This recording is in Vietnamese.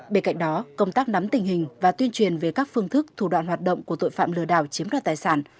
bên cạnh đó công tác nắm tình hình và tuyên truyền về các phương thức thủ đoạn hoạt động của tội phạm lừa đảo chiếm đoạt tài sản